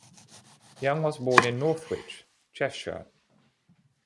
Young was born in Northwich, Cheshire.